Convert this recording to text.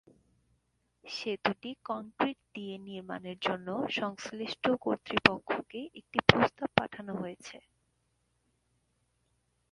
সেতুটি কংক্রিট দিয়ে নির্মাণের জন্য সংশ্লিষ্ট কর্তৃপক্ষকে একটি প্রস্তাব পাঠানো হয়েছে।